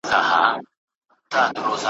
زه دي ستا لپاره غواړم نور مي نسته غرضونه ,